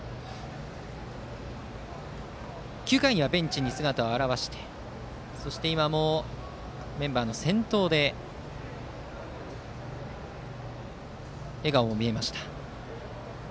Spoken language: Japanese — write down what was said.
９回にはベンチに姿を現してそして今はメンバーの先頭での笑顔も見れました。